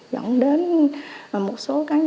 dẫn đến một số các